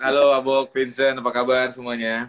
halo abu vincent apa kabar semuanya